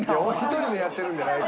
１人でやってるんじゃない。